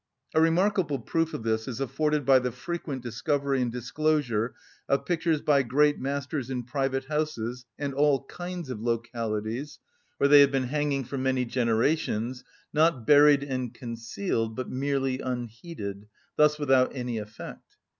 A remarkable proof of this is afforded by the frequent discovery and disclosure of pictures by great masters in private houses and all kinds of localities, where they have been hanging for many generations, not buried and concealed, but merely unheeded, thus without any effect.